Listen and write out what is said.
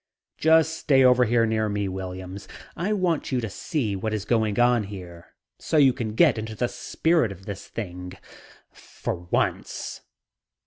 "Just stay over here near me, Williams. I want you to see what is going on here so you can get into the spirit of this thing for once."